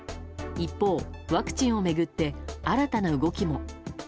一方、ワクチンを巡って新たな動きも。